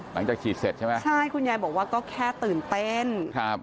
ฉีดเสร็จใช่ไหมใช่คุณยายบอกว่าก็แค่ตื่นเต้นครับ